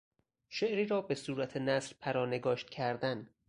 شعری را به صورت نثر پرانگاشت کردن